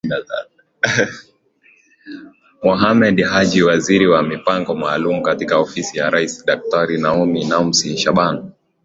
Mohamed Haji Waziri wa mipango maalumu katika Ofisi ya Rais Daktari Naomi Namsi Shaban